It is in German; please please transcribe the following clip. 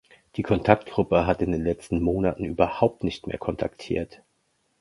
Die Kontaktgruppe hat in den letzten Monaten überhaupt nicht mehr kontaktiert.